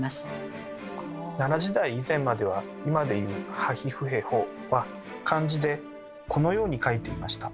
奈良時代以前までは今でいう「はひふへほ」は漢字でこのように書いていました。